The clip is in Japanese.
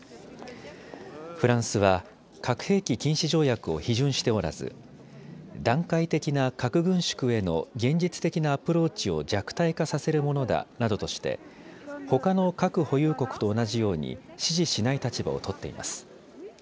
フランスは核兵器禁止条約を批准しておらず段階的な核軍縮への現実的なアプローチを弱体化させるものだなどとしてほかの核保有国と同じように支持しない立場を取っています。